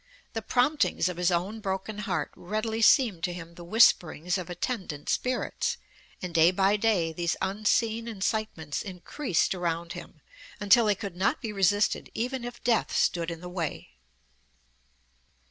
The promptings of his own broken heart readily seemed to him the whisperings of attendant spirits; and day by day these unseen incitements increased around him, until they could not be resisted even if death stood in the way.